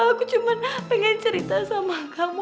aku cuma pengen cerita sama kamu